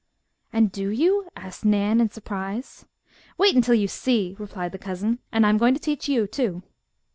"And do you?" asked Nan, in surprise. "Wait until you see!" replied the cousin. "And I am going to teach you, too."